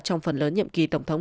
trong phần lớn nhiệm kỳ tổng thống